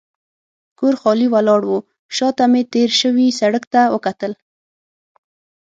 کور خالي ولاړ و، شا ته مې تېر شوي سړک ته وکتل.